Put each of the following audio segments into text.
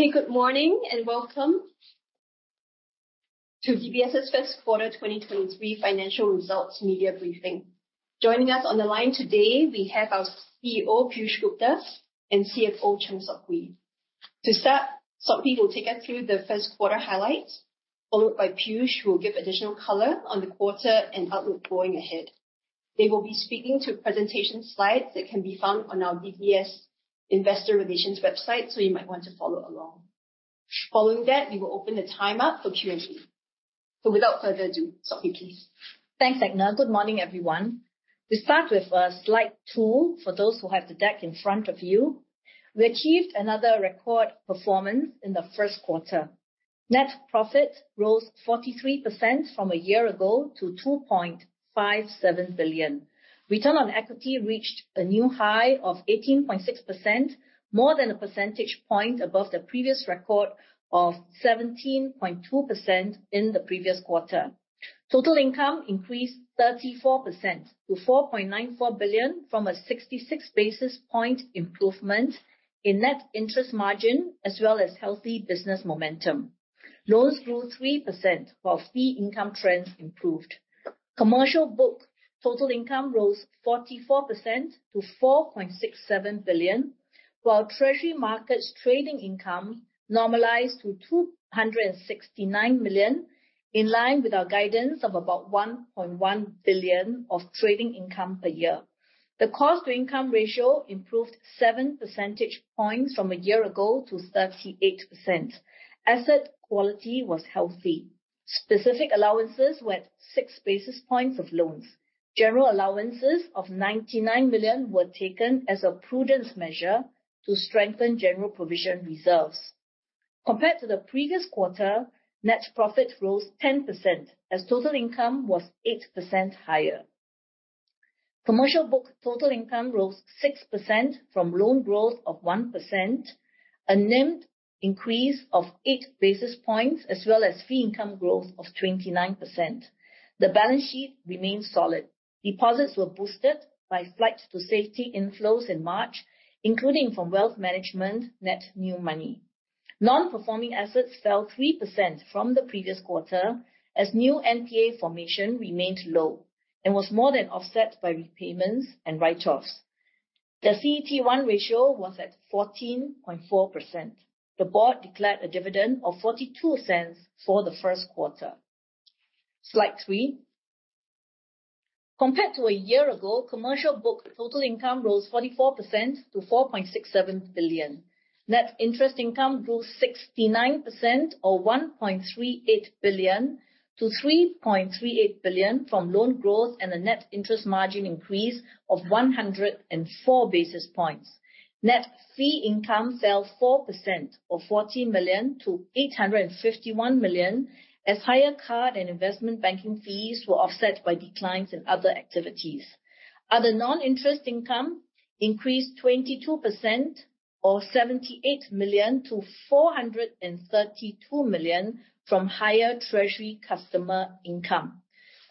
Okay, good morning and welcome to DBS's first quarter 2023 financial results media briefing. Joining us on the line today we have our CEO, Piyush Gupta and CFO, Chng Sok Hui. To start, Sok Hui will take us through the first quarter highlights, followed by Piyush who will give additional color on the quarter and outlook going ahead. They will be speaking to presentation slides that can be found on our DBS investor relations website, you might want to follow along. Following that, we will open the time up for Q&A. Without further ado, Sok Hui please. Thanks, Edna. Good morning, everyone. We start with slide two for those who have the deck in front of you. We achieved another record performance in the first quarter. Net profit rose 43% from a year ago to 2.57 billion. Return on equity reached a new high of 18.6%, more than a percentage point above the previous record of 17.2% in the previous quarter. Total income increased 34% to 4.94 billion from a 66 basis point improvement in net interest margin, as well as healthy business momentum. Loans grew 3% while fee income trends improved. Commercial book total income rose 44% to 4.67 billion, while Treasury Markets trading income normalized to 269 million, in line with our guidance of about 1.1 billion of trading income per year. The cost to income ratio improved 7 percentage points from a year ago to 38%. Asset quality was healthy. Specific allowances were at 6 basis points of loans. General allowances of 99 million were taken as a prudence measure to strengthen general provision reserves. Compared to the previous quarter, net profit rose 10% as total income was 8% higher. Commercial book total income rose 6% from loan growth of 1%, a NIM increase of 8 basis points as well as fee income growth of 29%. The balance sheet remains solid. Deposits were boosted by flight to safety inflows in March, including from wealth management net new money. Non-performing assets fell 3% from the previous quarter as new NPA formation remained low and was more than offset by repayments and write-offs. The CET1 ratio was at 14.4%. The board declared a dividend of 0.42 for the first quarter. Slide three. Compared to a year ago, commercial book total income rose 44% to 4.67 billion. Net interest income grew 69% or 1.38 billion to 3.38 billion from loan growth and a net interest margin increase of 104 basis points. Net fee income fell 4% or 40 million to 851 million as higher card and investment banking fees were offset by declines in other activities. Other non-interest income increased 22% or 78 million to 432 million from higher Treasury customer income.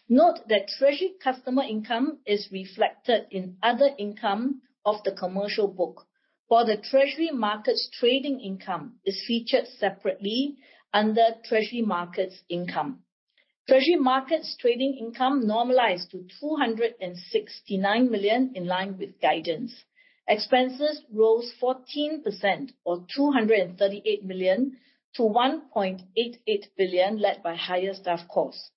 Note that Treasury customer income is reflected in other income of the commercial book, while the Treasury markets trading income is featured separately under Treasury markets income. Treasury markets trading income normalized to 269 million in line with guidance. Expenses rose 14% or 238 million to 1.88 billion, led by higher staff costs.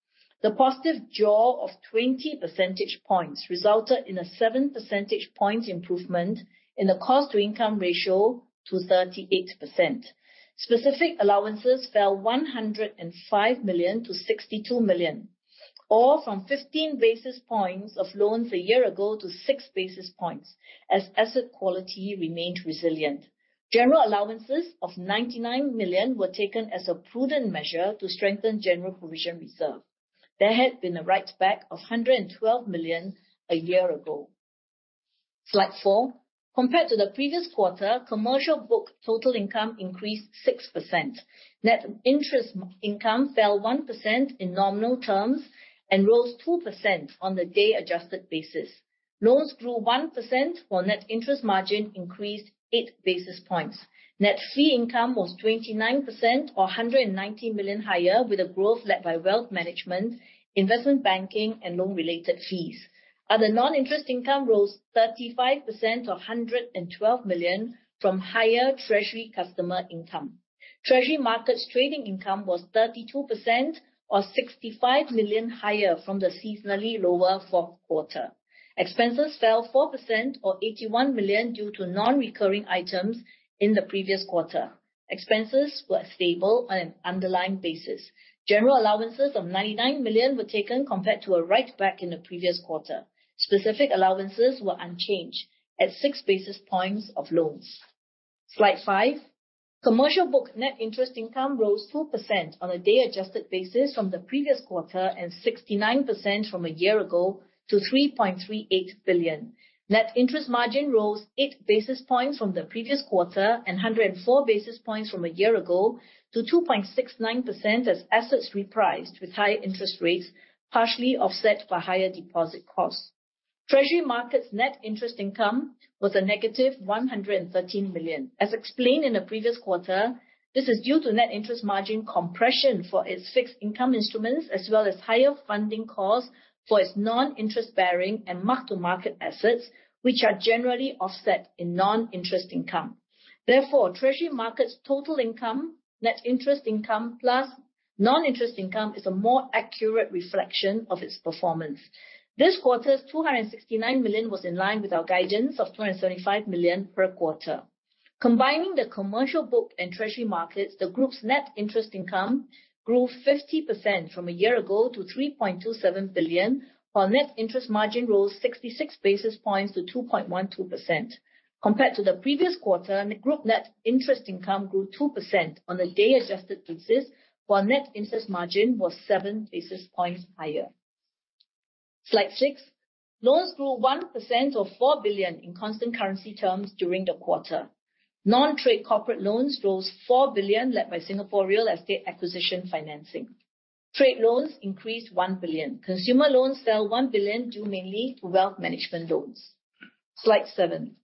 The positive jaw of 20 percentage points resulted in a 7 percentage points improvement in the cost to income ratio to 38%. Specific allowances fell 105 million to 62 million, or from 15 basis points of loans a year ago to 6 basis points as asset quality remained resilient. General allowances of 99 million were taken as a prudent measure to strengthen general provision reserve. There had been a write-back of 112 million a year ago. Slide four. Compared to the previous quarter, commercial book total income increased 6%. Net interest income fell 1% in nominal terms and rose 2% on the day adjusted basis. Loans grew 1% while net interest margin increased 8 basis points. Net fee income was 29% or 190 million higher, with a growth led by wealth management, investment banking and loan related fees. Other non-interest income rose 35% or 112 million from higher Treasury customer income. Treasury markets trading income was 32% or 65 million higher from the seasonally lower fourth quarter. Expenses fell 4% or 81 million due to non-recurring items in the previous quarter. Expenses were stable on an underlying basis. General allowances of 99 million were taken compared to a write-back in the previous quarter. Specific allowances were unchanged at 6 basis points of loans. Slide five. Commercial book net interest income rose 2% on a day adjusted basis from the previous quarter and 69% from a year ago to 3.38 billion. Net interest margin rose 8 basis points from the previous quarter and 104 basis points from a year ago to 2.69% as assets repriced with higher interest rates, partially offset by higher deposit costs. Treasury Markets' net interest income was a negative 113 million. As explained in the previous quarter, this is due to net interest margin compression for its fixed income instruments, as well as higher funding costs for its non-interest-bearing and mark-to-market assets, which are generally offset in non-interest income. Treasury & Markets' total income, net interest income, plus non-interest income is a more accurate reflection of its performance. This quarter's 269 million was in line with our guidance of 235 million per quarter. Combining the commercial book and Treasury & Markets, the Group's net interest income grew 50% from a year ago to 3.27 billion, while net interest margin rose 66 basis points to 2.12%. Compared to the previous quarter, Group net interest income grew 2% on a day adjusted basis, while net interest margin was 7 basis points higher. Slide six. Loans grew 1% of 4 billion in constant currency terms during the quarter. Non-trade corporate loans rose 4 billion, led by Singapore real estate acquisition financing. Trade loans increased 1 billion. Consumer loans fell 1 billion, due mainly to wealth management loans. Slide seven.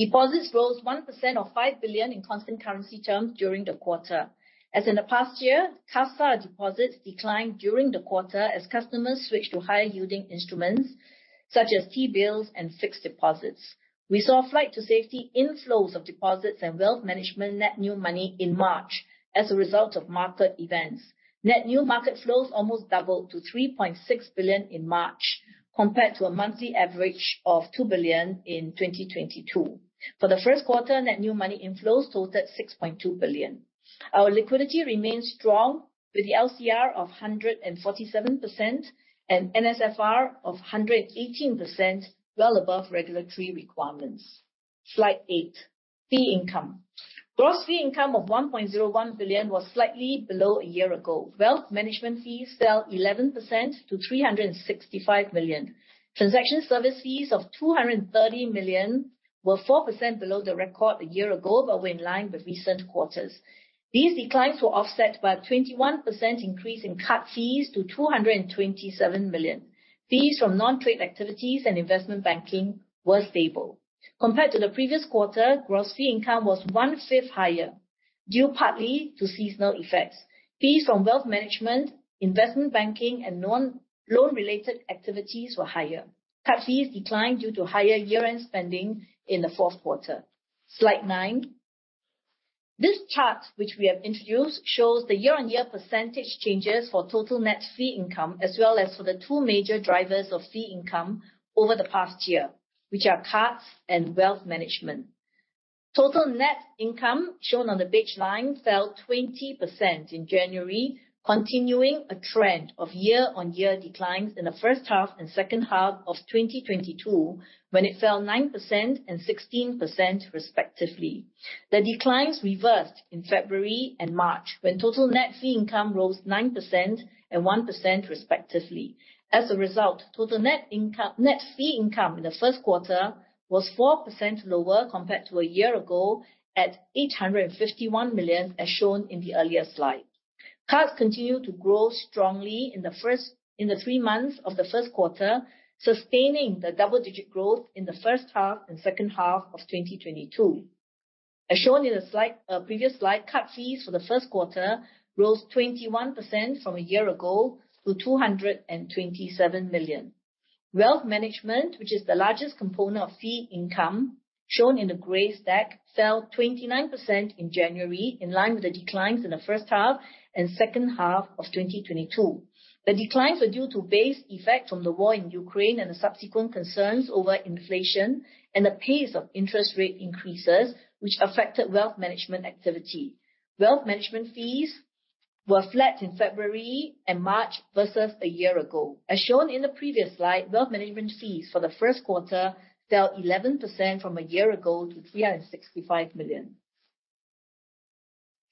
Deposits rose 1% of 5 billion in constant currency terms during the quarter. As in the past year, CASA deposits declined during the quarter as customers switched to higher yielding instruments such as T-bills and fixed deposits. We saw a flight to safety inflows of deposits and wealth management net new money in March as a result of market events. Net new market flows almost doubled to 3.6 billion in March, compared to a monthly average of 2 billion in 2022. For the first quarter, net new money inflows totaled 6.2 billion. Our liquidity remains strong with the LCR of 147% and NSFR of 118%, well above regulatory requirements. Slide eight. Fee income. Gross fee income of 1.01 billion was slightly below a year ago. Wealth management fees fell 11% to 365 million. Transaction service fees of 230 million were 4% below the record a year ago, but were in line with recent quarters. These declines were offset by a 21% increase in card fees to 227 million. Fees from non-trade activities and investment banking were stable. Compared to the previous quarter, gross fee income was one-fifth higher, due partly to seasonal effects. Fees from wealth management, investment banking, and non-loan related activities were higher. Card fees declined due to higher year-end spending in the fourth quarter. Slide nine. This chart, which we have introduced, shows the year-on-year % changes for total net fee income, as well as for the two major drivers of fee income over the past year, which are cards and wealth management. Total net income, shown on the beige line, fell 20% in January, continuing a trend of year-on-year declines in the first half and second half of 2022, when it fell 9% and 16% respectively. The declines reversed in February and March, when total net fee income rose 9% and 1% respectively. As a result, total net fee income in the first quarter was 4% lower compared to a year ago at 851 million, as shown in the earlier slide. Cards continued to grow strongly in the three months of the first quarter, sustaining the double-digit growth in the first half and second half of 2022. As shown in the slide, previous slide, card fees for the first quarter rose 21% from a year ago to 227 million. Wealth management, which is the largest component of fee income, shown in the gray stack, fell 29% in January, in line with the declines in the first half and second half of 2022. The declines were due to base effect from the war in Ukraine and the subsequent concerns over inflation and the pace of interest rate increases, which affected wealth management activity. Wealth management fees were flat in February and March versus a year ago. As shown in the previous slide, wealth management fees for the first quarter fell 11% from a year ago to 365 million.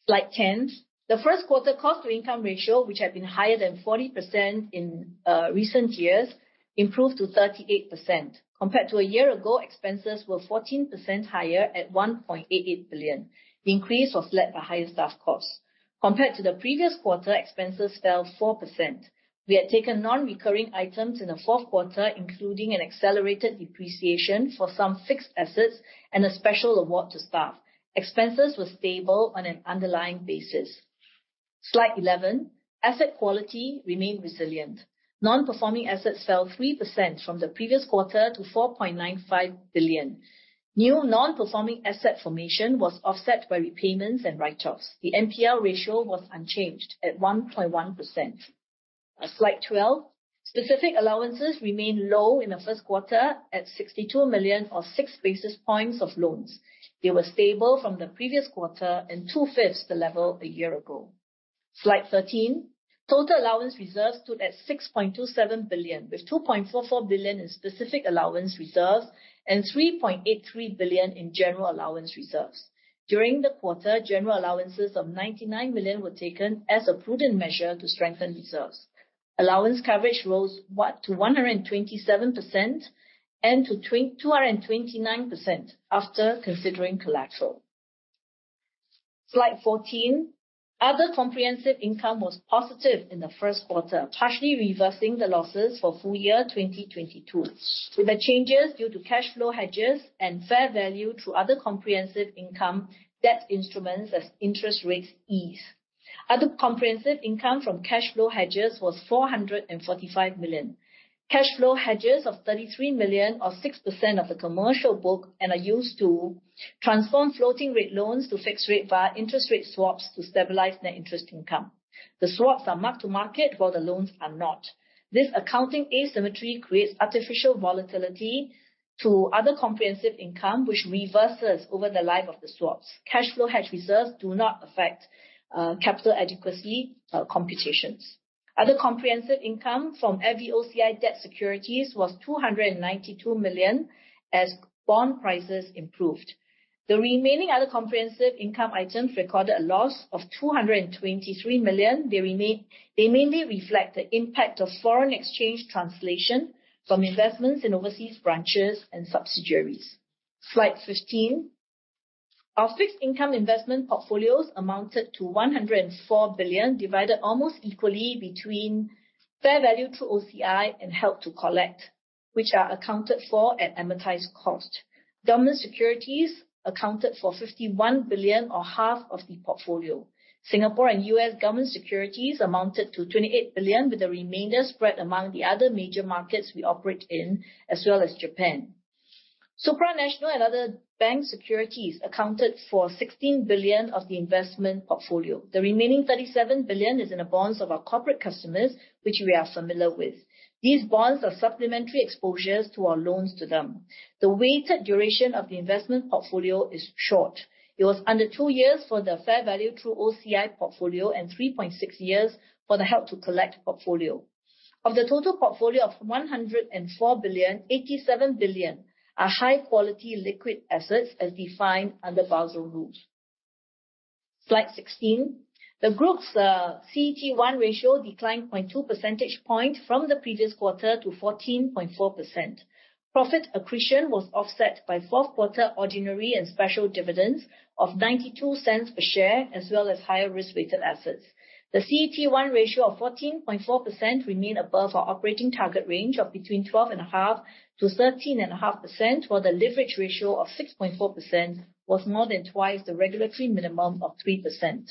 Slide 10. The first quarter cost to income ratio, which had been higher than 40% in recent years, improved to 38%. Compared to a year ago, expenses were 14% higher at 1.88 billion. The increase was led by higher staff costs. Compared to the previous quarter, expenses fell 4%. We had taken non-recurring items in the fourth quarter, including an accelerated depreciation for some fixed assets and a special award to staff. Expenses were stable on an underlying basis. Slide 11. Asset quality remained resilient. Non-performing assets fell 3% from the previous quarter to 4.95 billion. New non-performing asset formation was offset by repayments and write-offs. The NPR ratio was unchanged at 1.1%. On Slide 12. Specific allowances remained low in the first quarter at 62 million or 6 basis points of loans. They were stable from the previous quarter and two-fifths the level a year ago. Slide 13. Total allowance reserves stood at 6.27 billion, with 2.44 billion in specific allowance reserves and 3.83 billion in general allowance reserves. During the quarter, general allowances of 99 million were taken as a prudent measure to strengthen reserves. Allowance coverage rose to 127% and to 229% after considering collateral. Slide 14. Other comprehensive income was positive in the first quarter, partially reversing the losses for full year 2022, with the changes due to cash flow hedges and fair value to other comprehensive income debt instruments as interest rates ease. Other comprehensive income from cash flow hedges was 445 million. Cash flow hedges of 33 million or 6% of the commercial book and are used to transform floating rate loans to fixed rate via interest rate swaps to stabilize net interest income. The swaps are mark-to-market while the loans are not. This accounting asymmetry creates artificial volatility to other comprehensive income which reverses over the life of the swaps. Cash flow hedge reserves do not affect capital adequacy computations. Other comprehensive income from FVOCI debt securities was 292 million as bond prices improved. The remaining other comprehensive income items recorded a loss of 223 million. They mainly reflect the impact of foreign exchange translation from investments in overseas branches and subsidiaries. Slide 15. Our fixed income investment portfolios amounted to SGD 104 billion, divided almost equally between fair value through OCI and held to collect, which are accounted for at amortized cost. Government securities accounted for 51 billion or half of the portfolio. Singapore and U.S. government securities amounted to 28 billion, with the remainder spread among the other major markets we operate in, as well as Japan. Supranational and other bank securities accounted for 16 billion of the investment portfolio. The remaining 37 billion is in the bonds of our corporate customers, which we are familiar with. These bonds are supplementary exposures to our loans to them. The weighted duration of the investment portfolio is short. It was under two years for the fair value through OCI portfolio and 3.6 years for the held-to-collect portfolio. Of the total portfolio of 104 billion, 87 billion are high quality liquid assets as defined under Basel rules. Slide 16. The group's CET1 ratio declined 0.2 percentage point from the previous quarter to 14.4%. Profit accretion was offset by fourth quarter ordinary and special dividends of 0.92 per share, as well as higher risk-weighted assets. The CET1 ratio of 14.4% remain above our operating target range of between 12.5%-13.5%, while the leverage ratio of 6.4% was more than twice the regulatory minimum of 3%.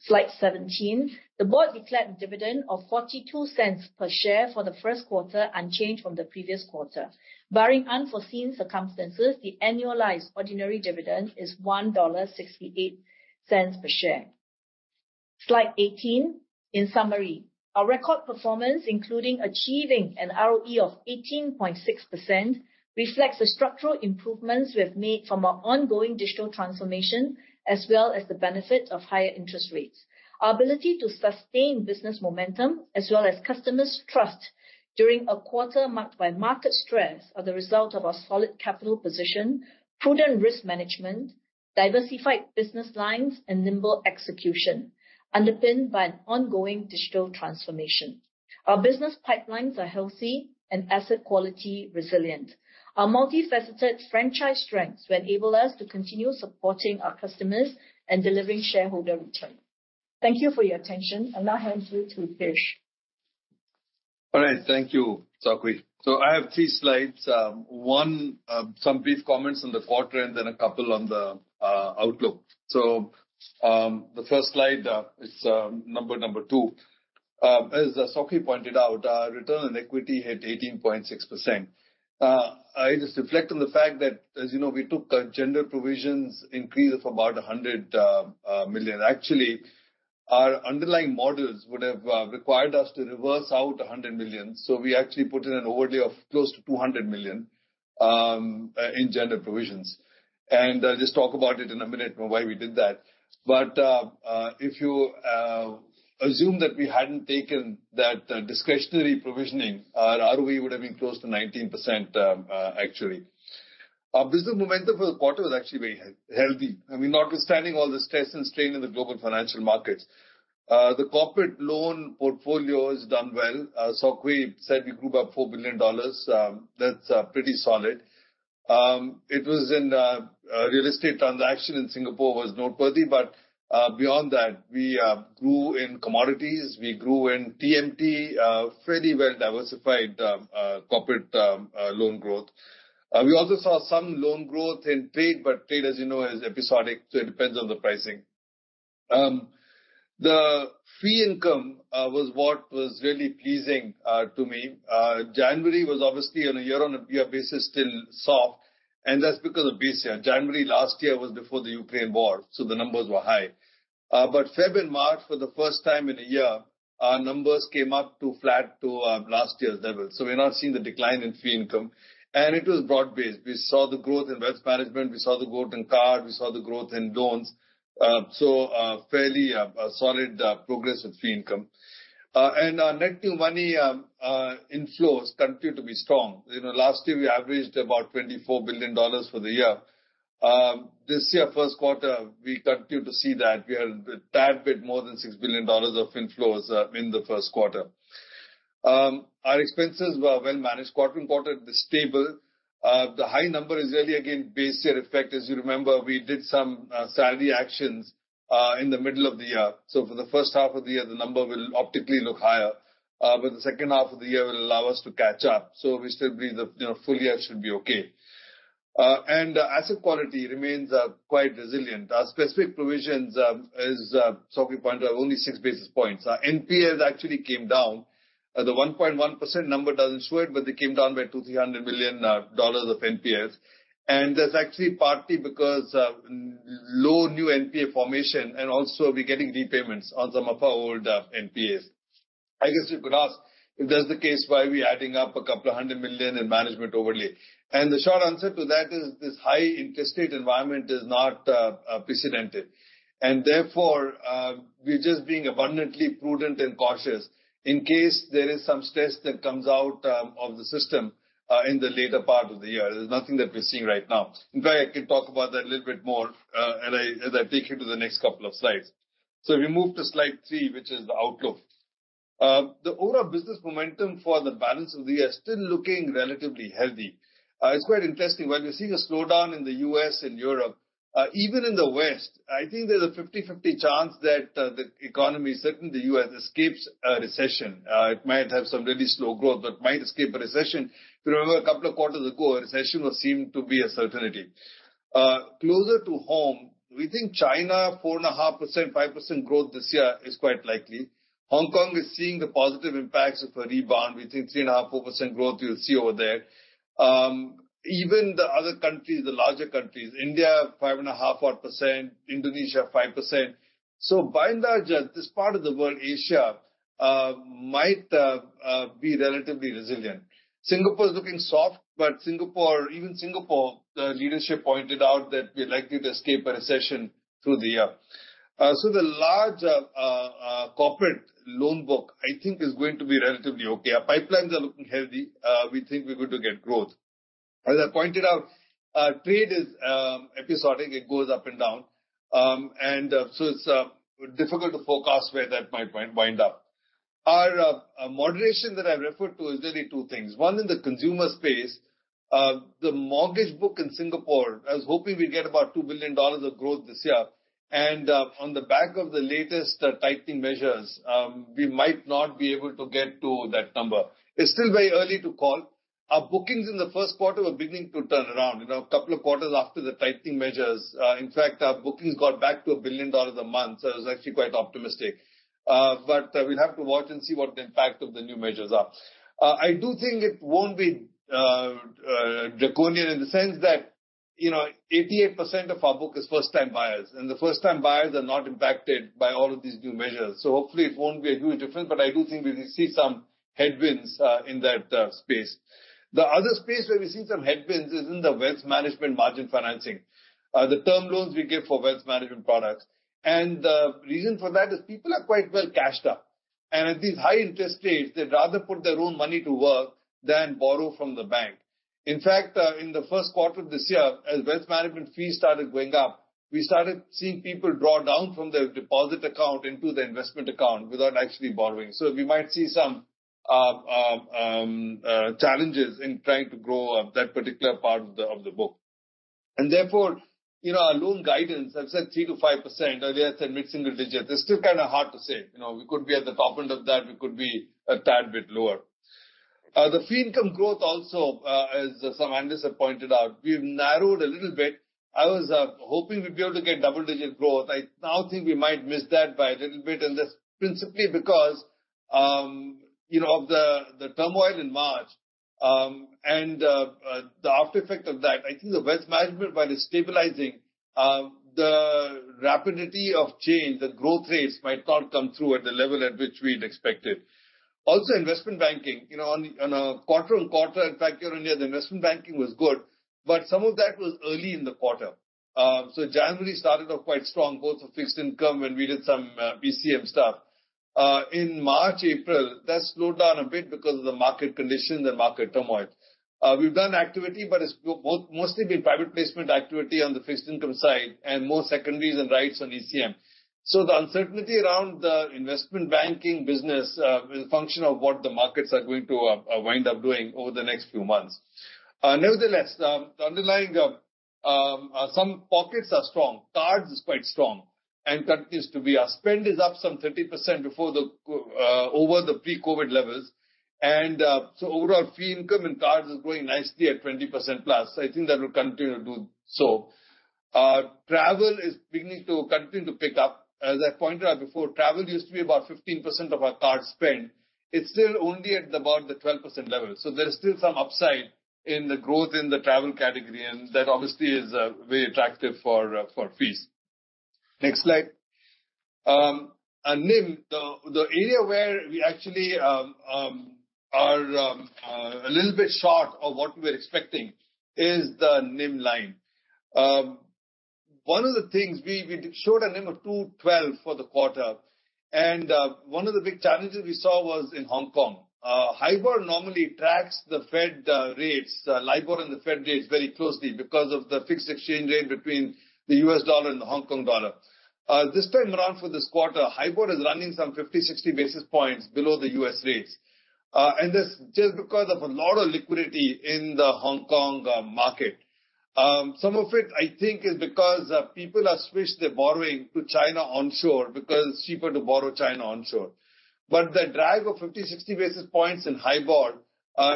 Slide 17. The board declared a dividend of 0.42 per share for the first quarter, unchanged from the previous quarter. Barring unforeseen circumstances, the annualized ordinary dividend is 1.68 dollar per share. Slide 18. In summary, our record performance, including achieving an ROE of 18.6%, reflects the structural improvements we have made from our ongoing digital transformation as well as the benefit of higher interest rates. Our ability to sustain business momentum as well as customers' trust during a quarter marked by market stress are the result of our solid capital position, prudent risk management, diversified business lines and nimble execution, underpinned by an ongoing digital transformation. Our business pipelines are healthy and asset quality resilient. Our multifaceted franchise strengths will enable us to continue supporting our customers and delivering shareholder return. Thank you for your attention. I'll now hand you to Vish. All right, thank you, Sock Hui. I have three slides. One, some brief comments on the quarter and then a couple on the outlook. The first slide is number two. As Sock Hui pointed out, our return on equity hit 18.6%. It is reflecting the fact that, as you know, we took general provisions increase of about 100 million. Actually, our underlying models would have required us to reverse out 100 million. We actually put in an overlay of close to 200 million in general provisions. I'll just talk about it in a minute on why we did that. If you assume that we hadn't taken that discretionary provisioning, our ROE would have been close to 19% actually. Our business momentum for the quarter was actually very healthy. I mean, notwithstanding all the stress and strain in the global financial markets. The corporate loan portfolio has done well. Sock Hui said we grew by 4 billion dollars. That's pretty solid. It was in a real estate transaction in Singapore was noteworthy, but beyond that, we grew in commodities, we grew in TMT, fairly well diversified corporate loan growth. We also saw some loan growth in trade, but trade, as you know, is episodic, so it depends on the pricing. The fee income was what was really pleasing to me. January was obviously on a year-on-year basis still soft, and that's because of base year. January last year was before the Ukraine war, so the numbers were high. Feb and March for the first time in a year, our numbers came up to flat to last year's level. We're not seeing the decline in fee income. It was broad-based. We saw the growth in wealth management, we saw the growth in card, we saw the growth in loans. Fairly solid progress with fee income. Our net new money inflows continue to be strong. You know, last year we averaged about $24 billion for the year. This year, first quarter, we continue to see that. We are a tad bit more than $6 billion of inflows in the first quarter. Our expenses were well managed quarter-over-quarter. They're stable. The high number is really, again, base year effect. As you remember, we did some salary actions in the middle of the year. For the first half of the year, the number will optically look higher, but the second half of the year will allow us to catch up. We still believe that, you know, full year should be okay. Asset quality remains quite resilient. Our specific provisions, as Sok Hui pointed out, only 6 basis points. Our NPAs actually came down. The 1.1% number doesn't show it, but they came down by 200-300 million dollars of NPAs. That's actually partly because low new NPA formation and also we're getting repayments on some of our older NPAs. I guess you could ask, if that's the case, why are we adding up a couple of hundred million SGD in management overlay? The short answer to that is this high interest rate environment is not precedented. Therefore, we're just being abundantly prudent and cautious in case there is some stress that comes out of the system in the later part of the year. There's nothing that we're seeing right now. In fact, I can talk about that a little bit more as I take you to the next couple of slides. If you move to slide three, which is the outlook. The overall business momentum for the balance of the year is still looking relatively healthy. It's quite interesting, while we're seeing a slowdown in the US and Europe, even in the West, I think there's a 50/50 chance that the economy, certainly the US, escapes a recession. It might have some really slow growth, but might escape a recession. If you remember a couple of quarters ago, a recession was seen to be a certainty. Closer to home, we think China, 4.5%, 5% growth this year is quite likely. Hong Kong is seeing the positive impacts of a rebound. We think 3.5%-4% growth you'll see over there. Even the other countries, the larger countries, India, 5.5%, 4%. Indonesia, 5%. By and large, this part of the world, Asia, might be relatively resilient. Singapore is looking soft, but even Singapore, the leadership pointed out that we're likely to escape a recession through the year. The large corporate loan book, I think is going to be relatively okay. Our pipelines are looking healthy. We think we're going to get growth. As I pointed out, trade is episodic. It goes up and down. It's difficult to forecast where that might wind up. Our moderation that I referred to is really two things. One, in the consumer space, the mortgage book in Singapore, I was hoping we'd get about 2 billion dollars of growth this year. On the back of the latest tightening measures, we might not be able to get to that number. It's still very early to call. Our bookings in the first quarter are beginning to turn around. You know, a couple of quarters after the tightening measures, in fact, our bookings got back to 1 billion dollars a month, so it's actually quite optimistic. We'll have to watch and see what the impact of the new measures are. I do think it won't be draconian in the sense that, you know, 88% of our book is first-time buyers, and the first-time buyers are not impacted by all of these new measures. Hopefully it won't be a huge difference, but I do think we will see some headwinds in that space. The other space where we see some headwinds is in the wealth management margin financing, the term loans we give for wealth management products. The reason for that is people are quite well cashed up. At these high interest rates, they'd rather put their own money to work than borrow from the bank. In fact, in the first quarter of this year, as wealth management fees started going up, we started seeing people draw down from their deposit account into their investment account without actually borrowing. We might see some challenges in trying to grow up that particular part of the book. Therefore, you know, our loan guidance, I've said 3%-5%, earlier I said mid-single digits. It's still kind of hard to say. You know, we could be at the top end of that, we could be a tad bit lower. The fee income growth also, as some analysts have pointed out, we've narrowed a little bit. I was hoping we'd be able to get double-digit growth. I now think we might miss that by a little bit, and that's principally because, you know, of the turmoil in March, and the aftereffect of that. I think the wealth management, while it is stabilizing, the rapidity of change, the growth rates might not come through at the level at which we'd expected. Also, investment banking, you know, on a quarter-on-quarter, in fact, year-on-year, the investment banking was good, but some of that was early in the quarter. January started off quite strong, both for fixed income when we did some BCM stuff. In March, April, that slowed down a bit because of the market conditions and market turmoil. We've done activity, but it's mostly been private placement activity on the fixed income side and more secondaries and rights on ECM. The uncertainty around the investment banking business is a function of what the markets are going to wind up doing over the next few months. Nevertheless, underlying some pockets are strong. Cards is quite strong and continues to be. Our spend is up some 30% over the pre-COVID levels. Overall fee income in cards is growing nicely at 20%+. I think that will continue to do so. Travel is beginning to continue to pick up. As I pointed out before, travel used to be about 15% of our card spend. It's still only at about the 12% level, so there is still some upside in the growth in the travel category, and that obviously is very attractive for fees. Next slide. Our NIM, the area where we actually are a little bit short of what we're expecting is the NIM line. One of the things we showed a NIM of 212 for the quarter. One of the big challenges we saw was in Hong Kong. HIBOR normally tracks the Fed rates, LIBOR and the Fed rates very closely because of the fixed exchange rate between the US dollar and the Hong Kong dollar. This time around for this quarter, HIBOR is running some 50, 60 basis points below the US rates. This just because of a lot of liquidity in the Hong Kong market. Some of it I think is because people have switched their borrowing to China onshore because it's cheaper to borrow China onshore. The drive of 50, 60 basis points in HIBOR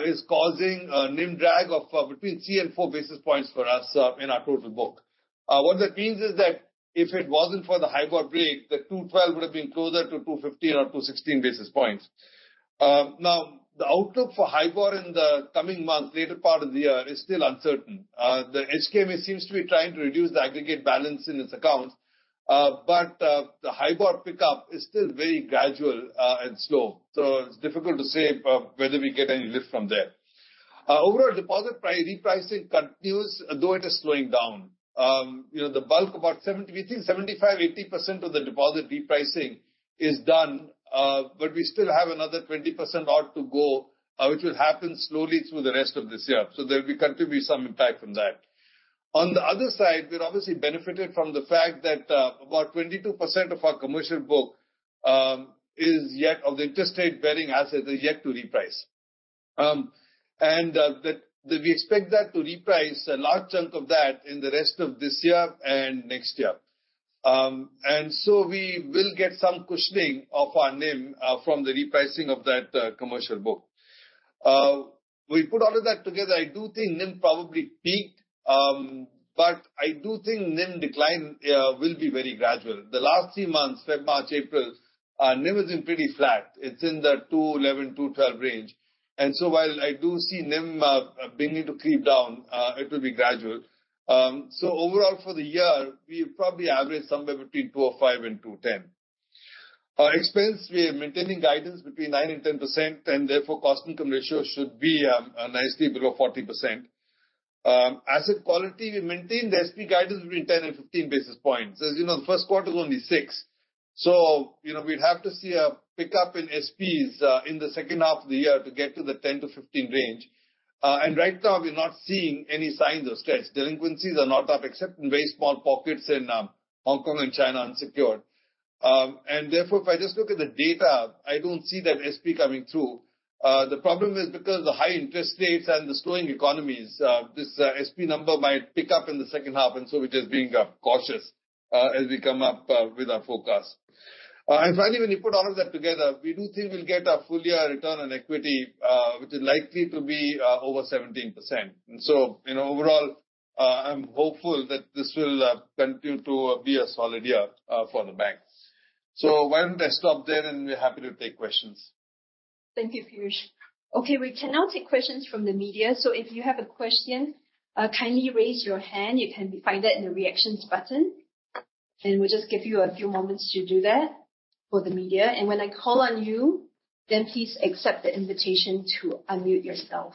is causing a NIM drag of between 3 and 4 basis points for us in our total book. What that means is that if it wasn't for the HIBOR break, the 212 would have been closer to 215 or 216 basis points. Now, the outlook for HIBOR in the coming months, later part of the year is still uncertain. The HKMA seems to be trying to reduce the aggregate balance in its accounts, but the HIBOR pickup is still very gradual and slow. It's difficult to say whether we get any lift from there. Overall deposit repricing continues, though it is slowing down. You know, the bulk, about 70, we think 75, 80% of the deposit repricing is done, but we still have another 20% odd to go, which will happen slowly through the rest of this year. There will be continue some impact from that. On the other side, we're obviously benefited from the fact that, about 22% of our commercial book, is yet, of the interest rate bearing assets, is yet to reprice. We expect that to reprice a large chunk of that in the rest of this year and next year. We will get some cushioning of our NIM from the repricing of that commercial book. We put all of that together, I do think NIM probably peaked, but I do think NIM decline will be very gradual. The last three months, February, March, April, NIM has been pretty flat. It's in the 2.11%-2.12% range. While I do see NIM beginning to creep down, it will be gradual. Overall for the year, we probably average somewhere between 2.05% and 2.10%. Expense, we are maintaining guidance between 9% and 10%, cost income ratio should be nicely below 40%. Asset quality, we maintain the SP guidance between 10 and 15 basis points. As you know, the first quarter is only 6 basis points, you know, we'd have to see a pickup in SPs in the second half of the year to get to the 10-15 range. Right now we're not seeing any signs of stress. Delinquencies are not up except in very small pockets in Hong Kong and China unsecured. If I just look at the data, I don't see that SP coming through. The problem is because the high interest rates and the slowing economies, this SP number might pick up in the second half, we're just being cautious as we come up with our forecast. When you put all of that together, we do think we'll get a full year return on equity, which is likely to be over 17%. You know, overall, I'm hopeful that this will continue to be a solid year for the bank. Why don't I stop there and be happy to take questions? Thank you, Piyush. We can now take questions from the media. If you have a question, kindly raise your hand. You can find that in the reactions button. We'll just give you a few moments to do that for the media. When I call on you, please accept the invitation to unmute yourself.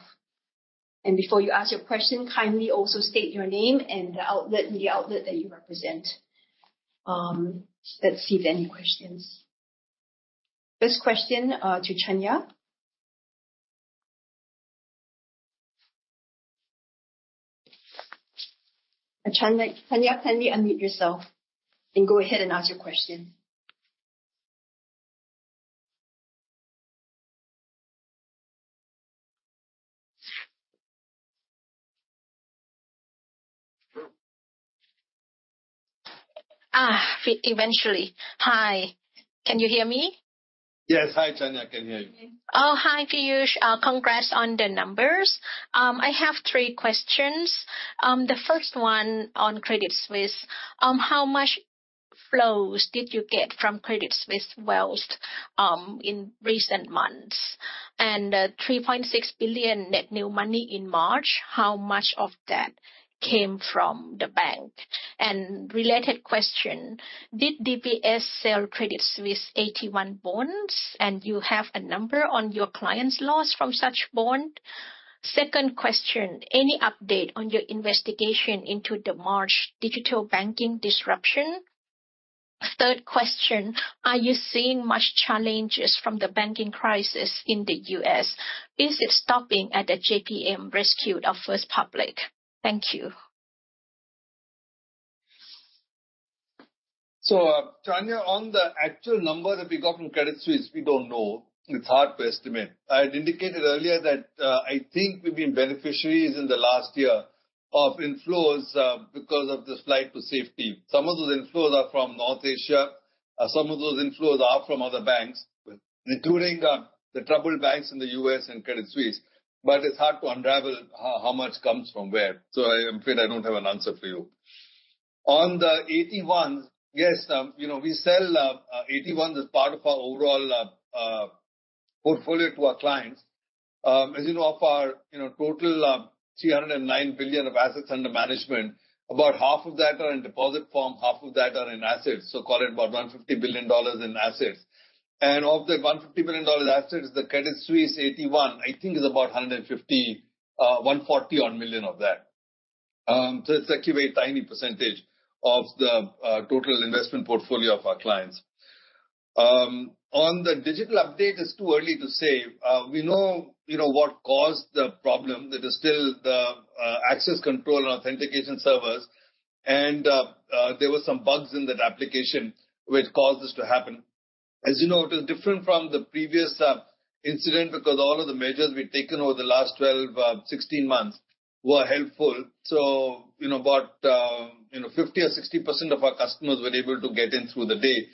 Before you ask your question, kindly also state your name and the outlet, media outlet that you represent. Let's see if there are any questions. First question to Chanya. Chanya, kindly unmute yourself and go ahead and ask your question. Eventually. Hi, can you hear me? Yes. Hi, Chanya. I can hear you. Hi, Piyush. Congrats on the numbers. I have three questions. The first one on Credit Suisse. How much flows did you get from Credit Suisse Wealth in recent months? 3.6 billion net new money in March, how much of that came from the bank? Related question: Did DBS sell Credit Suisse AT1 bonds, and you have a number on your clients' loss from such bond? Second question: Any update on your investigation into the March digital banking disruption? Third question: Are you seeing much challenges from the banking crisis in the U.S.? Is it stopping at the JPM rescue of First Republic? Thank you. Chanya, on the actual number that we got from Credit Suisse, we don't know. It's hard to estimate. I had indicated earlier that I think we've been beneficiaries in the last year of inflows because of this flight to safety. Some of those inflows are from North Asia, some of those inflows are from other banks, including the troubled banks in the US and Credit Suisse. It's hard to unravel how much comes from where. I am afraid I don't have an answer for you. On the AT1s, yes, you know, we sell AT1s as part of our overall portfolio to our clients. As you know, of our, you know, total 309 billion of assets under management, about half of that are in deposit form, half of that are in assets. Call it about 150 billion dollars in assets. Of the 150 billion dollars assets, the Credit Suisse AT1, I think is about 140 odd million of that. It's actually a tiny percentage of the total investment portfolio of our clients. On the digital update, it's too early to say. We know, you know, what caused the problem. It is still the access control and authentication servers. There were some bugs in that application which caused this to happen. As you know, it is different from the previous incident because all of the measures we've taken over the last 12, 16 months were helpful. In about, you know, 50% or 60% of our customers were able to get in through the day.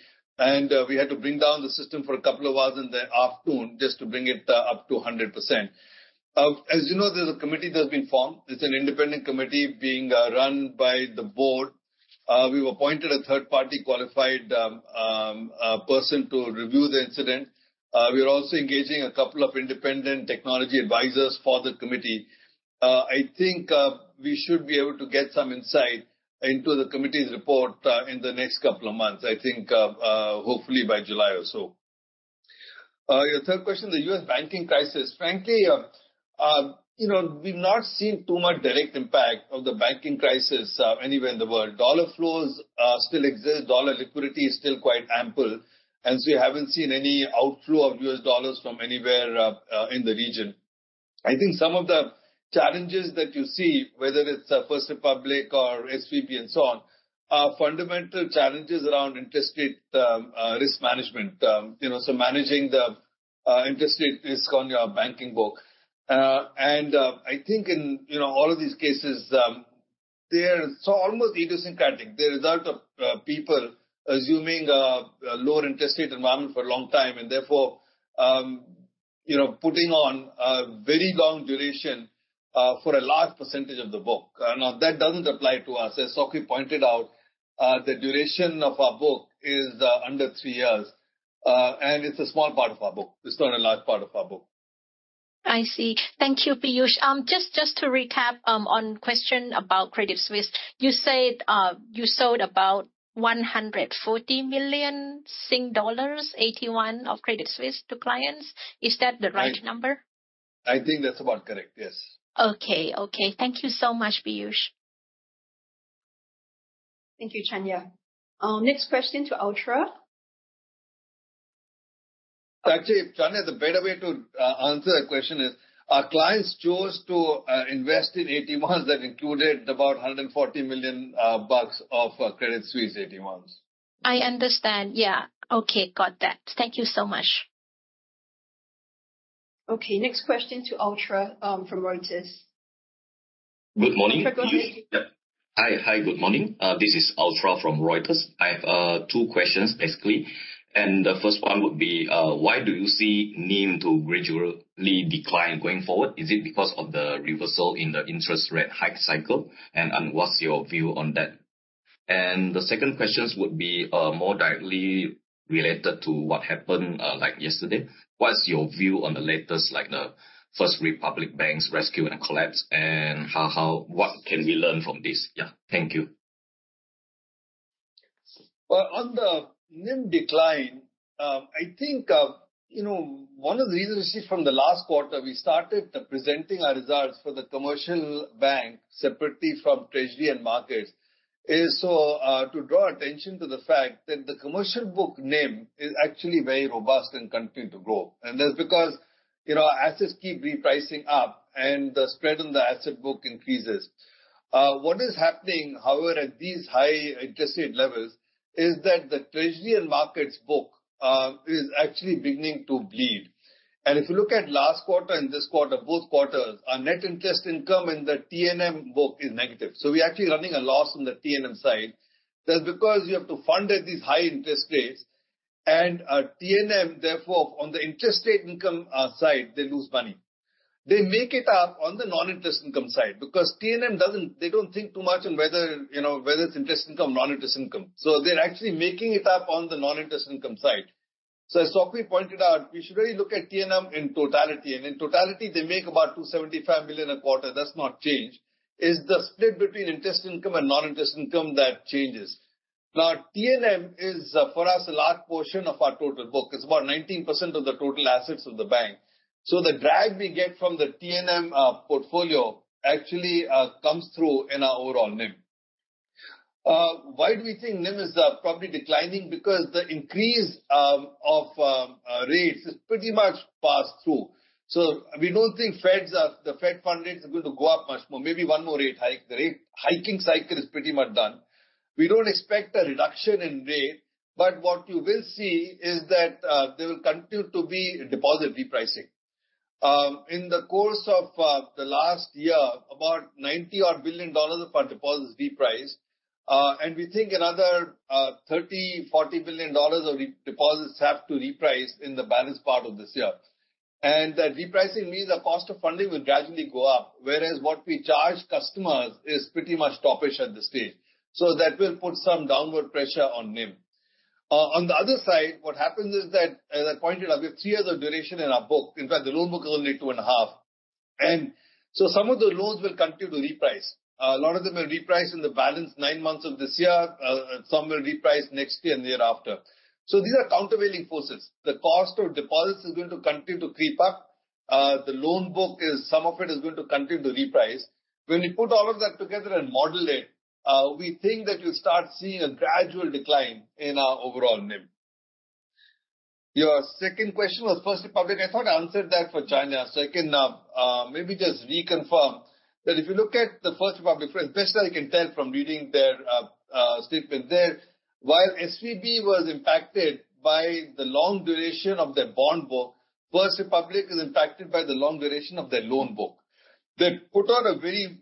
We had to bring down the system for a couple of hours in the afternoon just to bring it up to 100%. As you know, there's a committee that's been formed. It's an independent committee being run by the board. We've appointed a third-party qualified person to review the incident. We are also engaging a couple of independent technology advisors for the committee. I think we should be able to get some insight into the committee's report in the next couple of months. I think hopefully by July or so. Your third question, the U.S. banking crisis. Frankly, you know, we've not seen too much direct impact of the banking crisis anywhere in the world. Dollar flows still exist. Dollar liquidity is still quite ample. We haven't seen any outflow of US dollars from anywhere in the region. I think some of the challenges that you see, whether it's First Republic or SVB and so on, are fundamental challenges around interest rate risk management. You know, managing the interest rate risk on your banking book. I think in, you know, all of these cases, they're so almost idiosyncratic. They're result of people assuming a lower interest rate environment for a long time and therefore, you know, putting on a very long duration for a large percentage of the book. Now, that doesn't apply to us. As Sok Hui pointed out, the duration of our book is under three years. It's a small part of our book. It's not a large part of our book. I see. Thank you, Piyush. just to recap, on question about Credit Suisse. You said, you sold about 140 million Sing dollars AT1 of Credit Suisse to clients. Is that the right number? I think that's about correct, yes. Okay. Thank you so much, Piyush. Thank you, Chanya. Next question to Oultra. Actually, Chanya, the better way to answer that question is our clients chose to invest in AT1s that included about $140 million of Credit Suisse AT1s. I understand, yeah. Okay, got that. Thank you so much. Okay, next question to Oultra, from Reuters. Good morning. Go ahead. Yeah. Hi. Hi. Good morning. This is Oultra from Reuters. I have two questions, basically. The first one would be, why do you see NIM to gradually decline going forward? Is it because of the reversal in the interest rate hike cycle? What's your view on that? The second questions would be, more directly related to what happened like yesterday. What's your view on the latest, like the First Republic Bank's rescue and collapse, and how what can we learn from this? Yeah. Thank you. Well, on the NIM decline, I think, you know, one of the reasons is from the last quarter we started presenting our results for the commercial bank separately from treasury and markets is so, to draw attention to the fact that the commercial book NIM is actually very robust and continue to grow. That's because, you know, our assets keep repricing up and the spread on the asset book increases. What is happening, however, at these high interest rate levels is that the treasury and markets book, is actually beginning to bleed. If you look at last quarter and this quarter, both quarters, our net interest income in the T&M book is negative. We're actually running a loss on the T&M side. That's because you have to fund at these high interest rates and T&M, therefore, on the interest rate income side, they lose money. They make it up on the non-interest income side because T&M, they don't think too much on whether, you know, whether it's interest income, non-interest income, they're actually making it up on the non-interest income side. As Sok Hui pointed out, we should really look at T&M in totality. In totality, they make about 275 million a quarter. That's not changed. It's the split between interest income and non-interest income that changes. T&M is for us, a large portion of our total book. It's about 19% of the total assets of the bank. The drag we get from the T&M portfolio actually comes through in our overall NIM. Why do we think NIM is probably declining? Because the increase of rates has pretty much passed through. We don't think the Fed fund rate is going to go up much more. Maybe one more rate hike. The rate hiking cycle is pretty much done. We don't expect a reduction in rate. What you will see is that there will continue to be deposit repricing. In the course of the last year, about $90 odd billion of our deposits repriced. We think another $30 billion-$40 billion of deposits have to reprice in the balance part of this year. That repricing means the cost of funding will gradually go up, whereas what we charge customers is pretty much toppish at this stage. That will put some downward pressure on NIM. On the other side, what happens is that, as I pointed out, we have 3 years of duration in our book. In fact, the loan book is only 2.5. Some of the loans will continue to reprice. A lot of them will reprice in the balance 9 months of this year. Some will reprice next year and thereafter. These are countervailing forces. The cost of deposits is going to continue to creep up. The loan book is, some of it is going to continue to reprice. When you put all of that together and model it, we think that you'll start seeing a gradual decline in our overall NIM. Your second question was First Republic. I thought I answered that for Chanya. I can maybe just reconfirm that if you look at First Republic, best I can tell from reading their statement there, while SVB was impacted by the long duration of their bond book, First Republic is impacted by the long duration of their loan book. They put on a very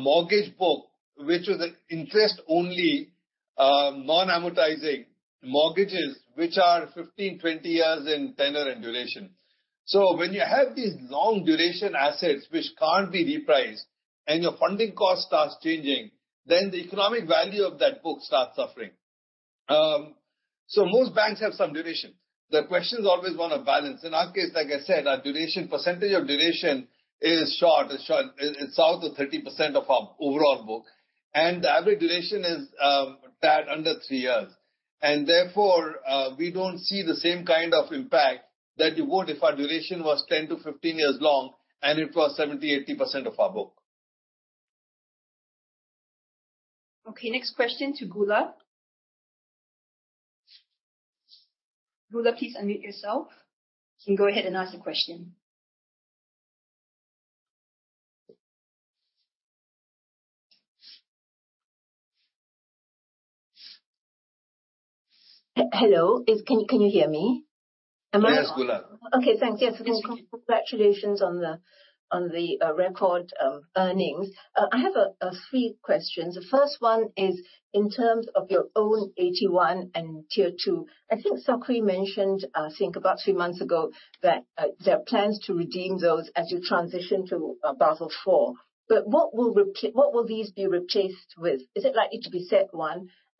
mortgage book, which was an interest-only, non-amortizing mortgages, which are 15, 20 years in tenure and duration. When you have these long duration assets which can't be repriced and your funding cost starts changing, then the economic value of that book starts suffering. Most banks have some duration. The question is always one of balance. In our case, like I said, our duration, percentage of duration is short. It's short. It's south of 30% of our overall book, and the average duration is that under three years. Therefore, we don't see the same kind of impact that you would if our duration was 10-15 years long and it was 70%, 80% of our book. Okay, next question to Goola, Goola, please unmute yourself. You can go ahead and ask the question. Hello. Can you hear me? Yes, Goola Okay, thanks. Yes. Yes, we can. Congratulations on the record earnings. I have a three questions. The first one is in terms of your own AT1 and Tier 2. I think Sok Hui mentioned, I think about three months ago, that there are plans to redeem those as you transition to Basel IV. What will these be replaced with? Is it likely to be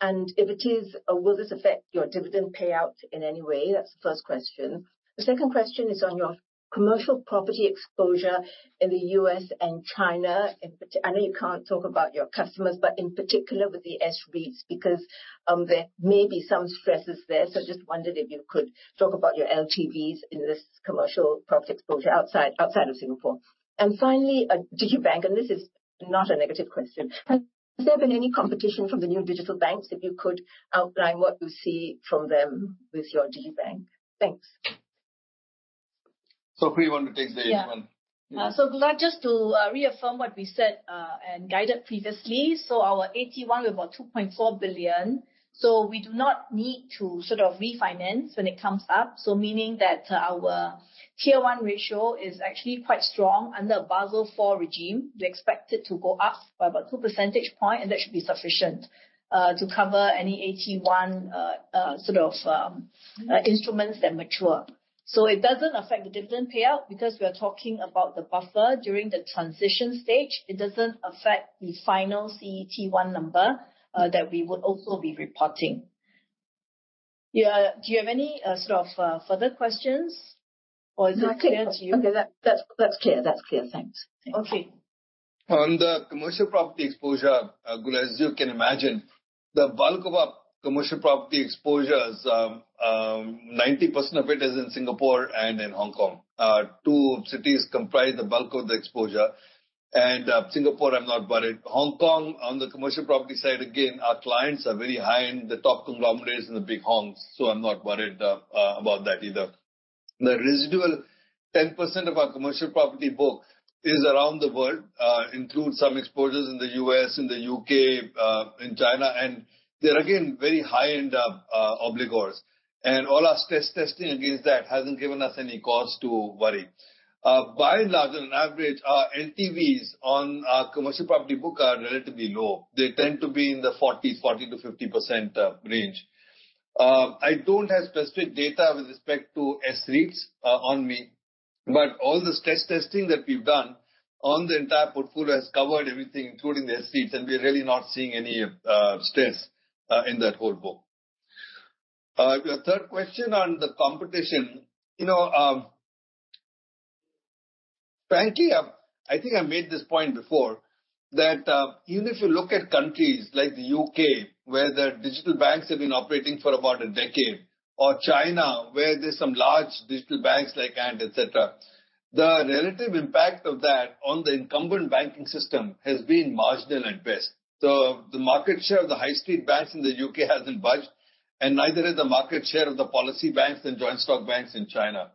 CET1? If it is, will this affect your dividend payout in any way? That's the first question. The second question is on your commercial property exposure in the U.S. and China. I know you can't talk about your customers, but in particular with the S-REITs because there may be some stresses there. Just wondered if you could talk about your LTVs in this commercial property exposure outside of Singapore. Finally, Digibank, This is not a negative question. Has there been any competition from the new digital banks? If you could outline what you see from them with your Digibank. Thanks. Sok Hui, you want to take the AT1? Goola, just to reaffirm what we said and guided previously. Our AT1, we've got 2.4 billion, so we do not need to sort of refinance when it comes up. Meaning that our Tier 1 ratio is actually quite strong under Basel IV regime. We expect it to go up by about 2 percentage point, and that should be sufficient to cover any AT1 sort of instruments that mature. It doesn't affect the dividend payout because we are talking about the buffer during the transition stage. It doesn't affect the final CET1 number that we would also be reporting. Do you have any sort of further questions or is that clear to you? Okay. That's clear. That's clear. Thanks. Okay. On the commercial property exposure, Goola, as you can imagine, the bulk of our commercial property exposure is 90% of it is in Singapore and in Hong Kong. Two cities comprise the bulk of the exposure. Singapore, I'm not worried. Hong Kong, on the commercial property side, again, our clients are very high in the top conglomerates and the big Hongs, so I'm not worried about that either. The residual 10% of our commercial property book is around the world, includes some exposures in the US, in the UK, in China, and they're again, very high-end obligors. All our stress testing against that hasn't given us any cause to worry. By and large, on average, our LTVs on our commercial property book are relatively low. They tend to be in the 40s, 40%-50% range. I don't have specific data with respect to S-REITs on me, but all the stress testing that we've done on the entire portfolio has covered everything, including the S-REITs, and we're really not seeing any stress in that whole book. Your third question on the competition, you know, frankly, I think I made this point before that even if you look at countries like the UK where the digital banks have been operating for about a decade or China, where there's some large digital banks like Ant, et cetera, the relative impact of that on the incumbent banking system has been marginal at best. The market share of the high street banks in the U.K. hasn't budged, and neither has the market share of the policy banks and joint stock banks in China.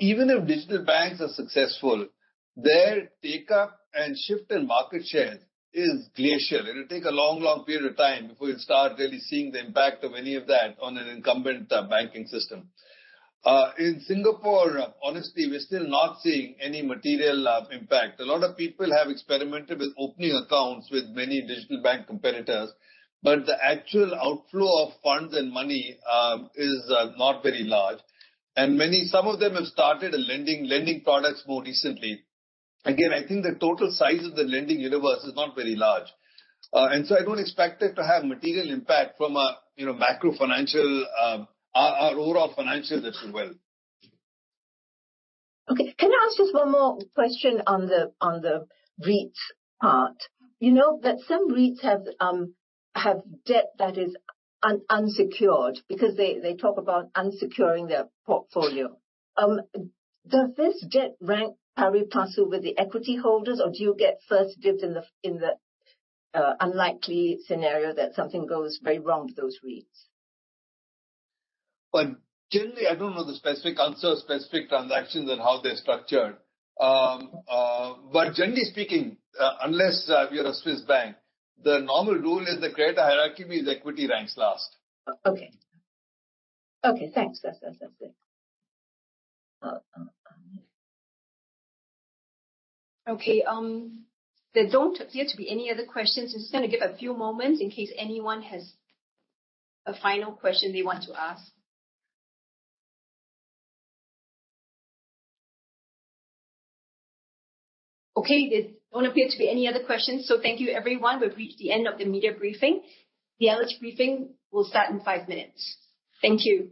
Even if digital banks are successful, their take-up and shift in market share is glacial. It'll take a long, long period of time before you start really seeing the impact of any of that on an incumbent banking system. In Singapore, honestly, we're still not seeing any material impact. A lot of people have experimented with opening accounts with many digital bank competitors, but the actual outflow of funds and money is not very large. Many, some of them have started lending products more recently. Again, I think the total size of the lending universe is not very large. I don't expect it to have material impact from a, you know, macro financial, or overall financial system well. Okay. Can I ask just one more question on the, on the REITs part? You know that some REITs have debt that is unsecured because they talk about unsecuring their portfolio. Does this debt rank pari passu with the equity holders, or do you get first dibs in the unlikely scenario that something goes very wrong with those REITs? Generally, I don't know the specific answer, specific transactions and how they're structured. Generally speaking, unless we are a Swiss bank, the normal rule is the greater hierarchy means equity ranks last. Oh, okay. Okay, thanks. That's it. Okay, there don't appear to be any other questions. Just going to give a few moments in case anyone has a final question they want to ask. Okay, there don't appear to be any other questions. Thank you, everyone. We've reached the end of the media briefing. The analyst briefing will start in five minutes. Thank you.